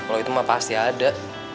kalau itu mah pasti ada